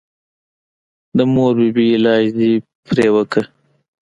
د مور بي بي علاج دې پې وکه.